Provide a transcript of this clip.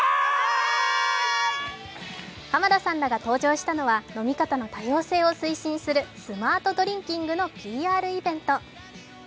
浜田さんらが登場したのは飲み方の多様性を推進するスマートドリンキングのＰＲイベント。